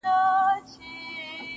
له دې جهانه بېل وي_